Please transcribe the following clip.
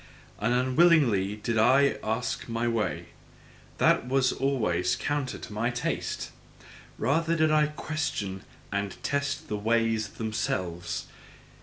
And unwillingly only did I ask my way that was always counter to my taste! Rather did I question and test the ways themselves.